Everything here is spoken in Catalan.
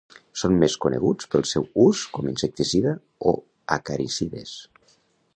Són més coneguts pel seu ús com insecticida o acaricides.